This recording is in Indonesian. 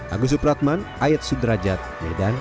agus supratman ayat sudrajat medan